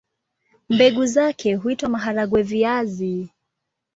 Mbegu zake huitwa maharagwe-viazi.